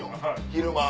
昼間。